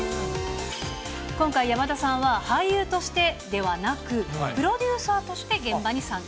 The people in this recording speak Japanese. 今回、山田さんは俳優としてではなく、プロデューサーとして現場に参加。